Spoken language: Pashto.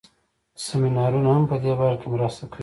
سمینارونه هم په دې برخه کې مرسته کوي.